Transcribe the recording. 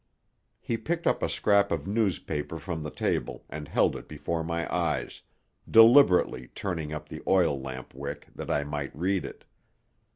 He picked up a scrap of newspaper from the table and held it before my eyes, deliberately turning up the oil lamp wick that I might read it.